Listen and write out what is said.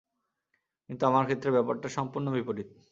কিন্তু আমার ক্ষেত্রে ব্যাপারটা সম্পূর্ণ বিপরীত।